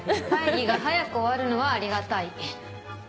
会議が早く終わるのはありがたい。